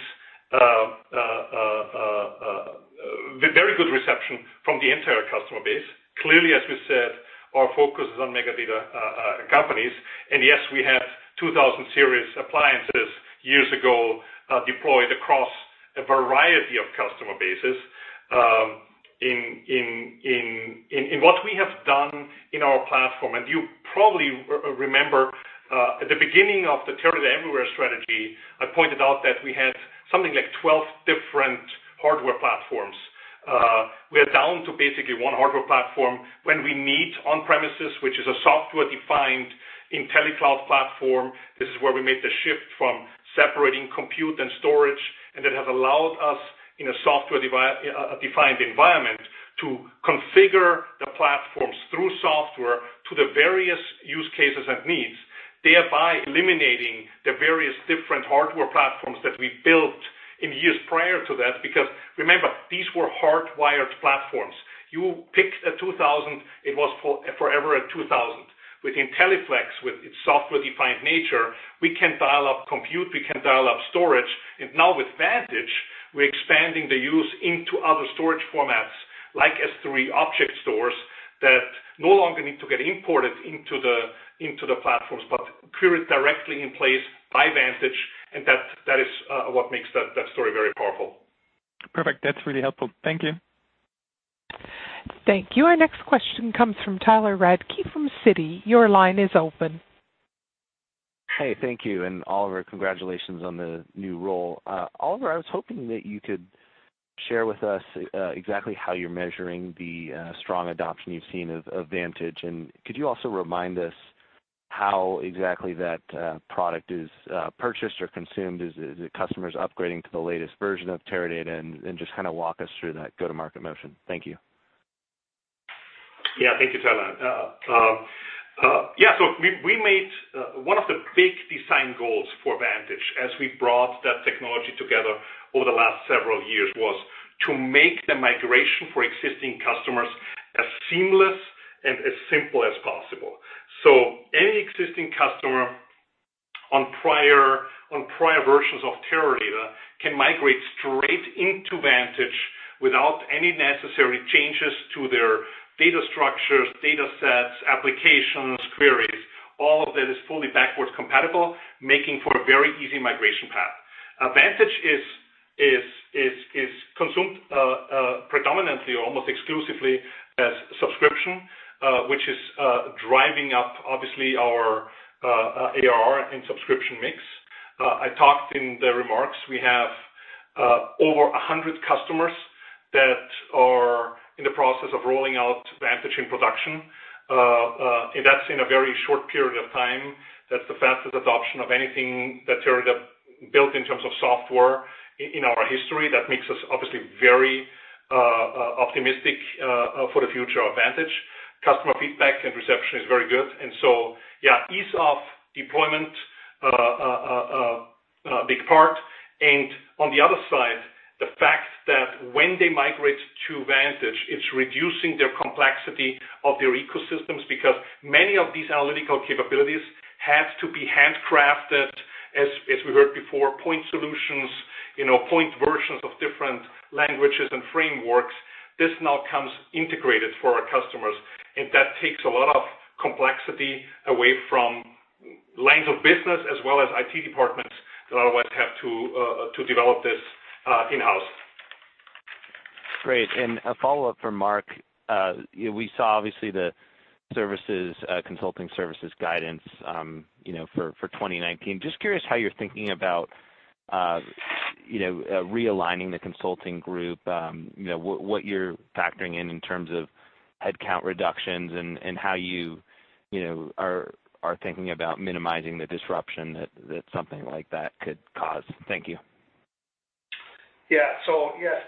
very good reception from the entire customer base. Clearly, as we said, our focus is on mega data companies. Yes, we have 2000 series appliances years ago, deployed across a variety of customer bases. In what we have done in our platform, and you probably remember at the beginning of the Teradata Everywhere strategy, I pointed out that we had something like 12 different hardware platforms. We are down to basically one hardware platform when we meet on premises, which is a software-defined IntelliCloud platform. This is where we made the shift from separating compute and storage, and it has allowed us in a software-defined environment to configure the platforms through software to the various use cases and needs, thereby eliminating the various different hardware platforms that we built in years prior to that. Remember, these were hardwired platforms. You picked a 2000, it was forever a 2000. With IntelliFlex, with its software-defined nature, we can dial up compute, we can dial up storage. Now with Teradata Vantage, we're expanding the use into other storage formats like S3 object stores that no longer need to get imported into the platforms but query directly in place by Teradata Vantage, that is what makes that story very powerful. Perfect. That's really helpful. Thank you. Thank you. Our next question comes from Tyler Radke from Citi. Your line is open. Hey, thank you. Oliver, congratulations on the new role. Oliver, I was hoping that you could share with us exactly how you're measuring the strong adoption you've seen of Teradata Vantage. Could you also remind us how exactly that product is purchased or consumed? Is it customers upgrading to the latest version of Teradata? Just walk us through that go-to-market motion. Thank you. Thank you, Tyler. One of the big design goals for Teradata Vantage, as we brought that technology together over the last several years, was to make the migration for existing customers as seamless and as simple as possible. Any existing customer on prior versions of Teradata can migrate straight into Teradata Vantage without any necessary changes to their data structures, data sets, applications, queries. All of that is fully backwards compatible, making for a very easy migration path. Teradata Vantage is consumed predominantly or almost exclusively as subscription, which is driving up, obviously, our ARR and subscription mix. I talked in the remarks, we have over 100 customers that are in the process of rolling out Vantage in production. That's in a very short period of time. That's the fastest adoption of anything that Teradata built in terms of software in our history. That makes us obviously very optimistic for the future of Vantage. Customer feedback and reception is very good. Ease of deployment, a big part. On the other side, the fact that when they migrate to Vantage, it's reducing their complexity of their ecosystems, because many of these analytical capabilities had to be handcrafted, as we heard before, point solutions, point versions of different languages and frameworks. This now comes integrated for our customers, and that takes a lot of complexity away from lines of business as well as IT departments that otherwise have to develop this in-house. Great. A follow-up for Mark. We saw, obviously, the consulting services guidance for 2019. Just curious how you're thinking about realigning the consulting group, what you're factoring in in terms of headcount reductions and how you are thinking about minimizing the disruption that something like that could cause. Thank you. Yes,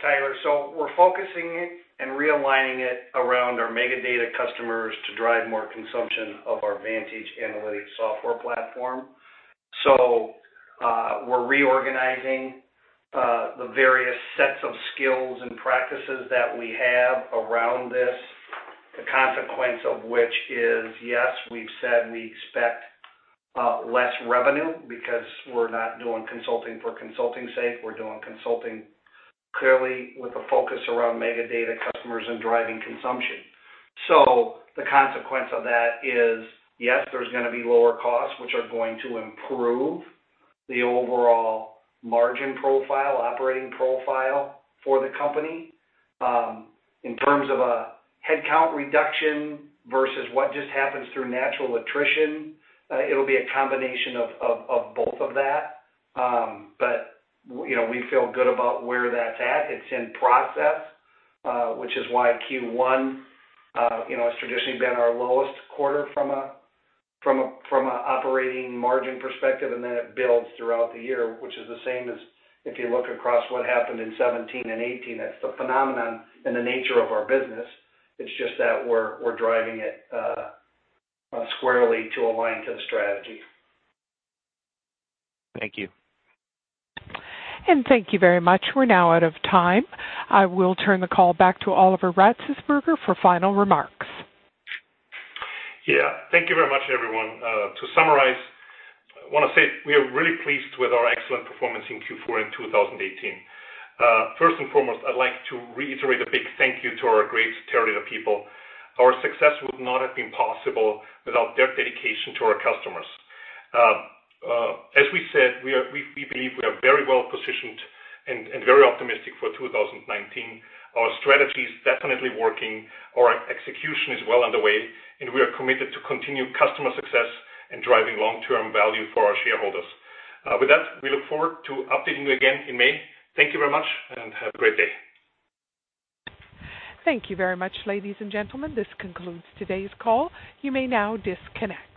Tyler. We're focusing it and realigning it around our mega data customers to drive more consumption of our Teradata Vantage analytics software platform. We're reorganizing the various sets of skills and practices that we have around this. The consequence of which is, yes, we've said we expect less revenue because we're not doing consulting for consulting's sake. We're doing consulting clearly with a focus around mega data customers and driving consumption. The consequence of that is, yes, there's going to be lower costs, which are going to improve the overall margin profile, operating profile for the company. In terms of a headcount reduction versus what just happens through natural attrition, it'll be a combination of both of that. We feel good about where that's at. It's in process, which is why Q1 has traditionally been our lowest quarter from a operating margin perspective, then it builds throughout the year, which is the same as if you look across what happened in 2017 and 2018. That's the phenomenon and the nature of our business. It's just that we're driving it squarely to align to the strategy. Thank you. Thank you very much. We're now out of time. I will turn the call back to Oliver Ratzesberger for final remarks. Thank you very much, everyone. To summarize, I want to say we are really pleased with our excellent performance in Q4 in 2018. First and foremost, I'd like to reiterate a big thank you to our great Teradata people. Our success would not have been possible without their dedication to our customers. As we said, we believe we are very well positioned and very optimistic for 2019. Our strategy is definitely working, our execution is well underway, and we are committed to continued customer success and driving long-term value for our shareholders. With that, we look forward to updating you again in May. Thank you very much, and have a great day. Thank you very much, ladies and gentlemen. This concludes today's call. You may now disconnect.